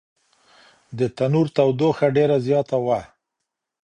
د تنور تودوخه ډېره زیاته وه.